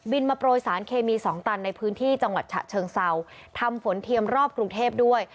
มาโปรยสารเคมีสองตันในพื้นที่จังหวัดฉะเชิงเซาทำฝนเทียมรอบกรุงเทพด้วย